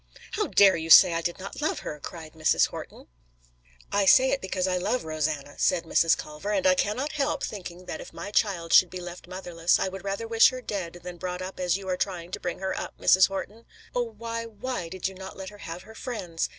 "How dare you say that I did not love her?" cried Mrs. Horton. "I say it because I love Rosanna," said Mrs. Culver, "and I cannot help thinking that if my child should be left motherless, I would rather wish her dead than brought up as you are trying to bring her up, Mrs. Horton. "Oh, why, why did you not let her have her friends?